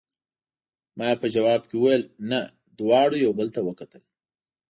ما یې په ځواب کې وویل: نه، دواړو یو بل ته وکتل.